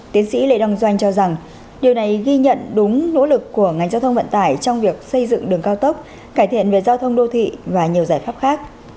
tiến sĩ lê đăng doanh cho rằng điều này ghi nhận đúng nỗ lực của ngành giao thông vận tải trong việc xây dựng đường cao tốc cải thiện về giao thông đô thị và nhiều giải pháp khác